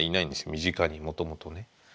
身近にもともとね。